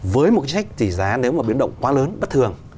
với một chính sách tỉ giá nếu mà biến động quá lớn bất thường